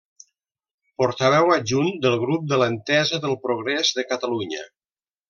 Portaveu adjunt del grup de l'Entesa pel Progrés de Catalunya.